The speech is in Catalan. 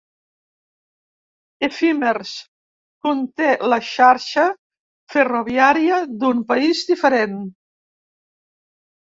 Efímers" conté la xarxa ferroviària d'un país diferent.